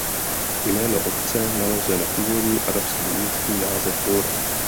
Jméno obce navazuje na původní arabský místní název Nur.